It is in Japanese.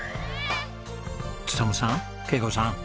勉さん恵子さん